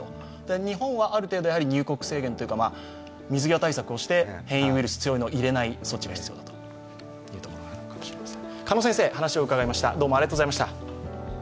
日本はある程度、入国制限というか水際対策をして変異ウイルス、強いのを入れない措置が必要だということかもしれません。